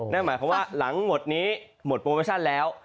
นั่นหมายความว่าหลังหมดนี้หมดโปรโมชั่นแล้ว